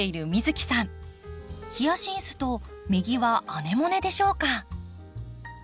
ヒヤシンスと右はアネモネでしょうか。